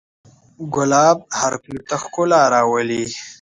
ګلاب هر کور ته ښکلا راولي.